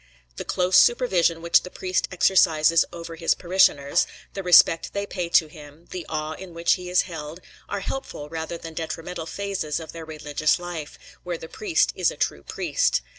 The close supervision which the priest exercises over his parishioners, the respect they pay to him, the awe in which he is held, are helpful rather than detrimental phases of their religious life, where the priest is a true priest.